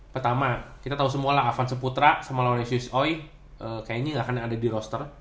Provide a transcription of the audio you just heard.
pertama kita tau semua lah avanse putra sama lorisius oi kayaknya gak akan ada di roster